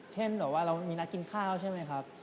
เช่นหรือว่าเรามีนัดกินข้าวใช่ไหมครับ